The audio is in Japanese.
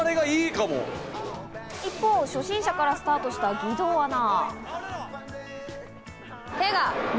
一方、初心者からスタートした、義堂アナ。